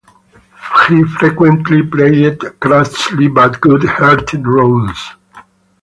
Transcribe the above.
He frequently played crusty but good-hearted roles.